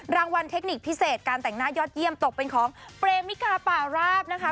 รางวัลเทคนิคพิเศษการแต่งหน้ายอดเยี่ยมตกเป็นของเปรมิกาป่าราบนะคะ